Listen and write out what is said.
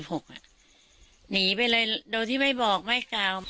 หนีไปเลยโดยที่ไม่บอกไม่กล่าว